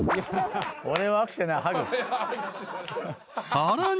［さらに］